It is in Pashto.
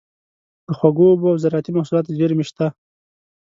د خوږو اوبو او زارعتي محصولاتو زیرمې شته.